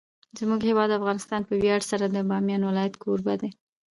زموږ هیواد افغانستان په ویاړ سره د بامیان ولایت کوربه دی.